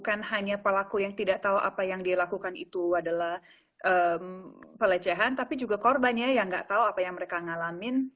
karena banyak pelaku yang tidak tahu apa yang dia lakukan itu adalah pelecehan tapi juga korbannya yang gak tahu apa yang mereka ngalamin